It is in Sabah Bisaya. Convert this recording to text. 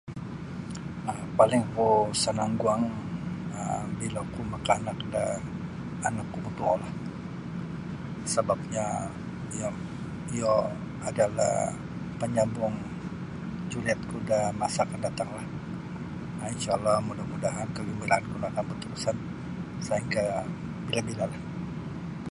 um Palingku sanang guang um bila oku makanak da anakku motuolah sabapnya iyom iyo adalah penyambung juriatku da masa akan datang lah um InshaAllah mudah-mudahan kegembiraan pun akan berterusan sehingga bila-bila lah